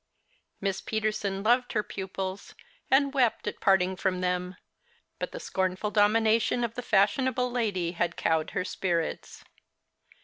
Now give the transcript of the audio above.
Miss Peterson loved her pupils, and wept at parting from them ; but the scornful domination of the fashionable lady had eoAved her spirits.